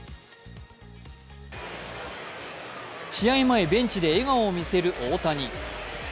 前、ベンチで笑顔を見せる大谷。